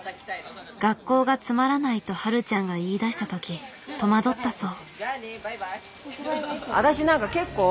「学校がつまらない」とはるちゃんが言いだした時戸惑ったそう。